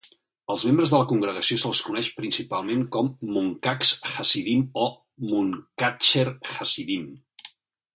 Als membres de la congregació se'ls coneix principalment com "Munkacs Hasidim" o "Munkatcher Hasidim".